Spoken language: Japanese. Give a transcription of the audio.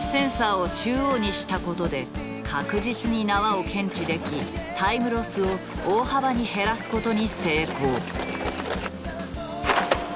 センサーを中央にしたことで確実に縄を検知できタイムロスを大幅に減らすことに成功。